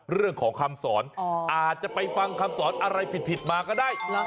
เรื่องของคำสอนอาจจะไปฟังคำสอนอะไรผิดมาก็ได้